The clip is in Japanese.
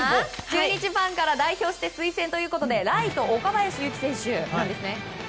中日ファンから代表して推薦ということでライト岡林勇希選手ですね。